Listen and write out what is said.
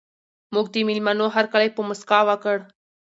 موږ د مېلمنو هرکلی په مسکا وکړ.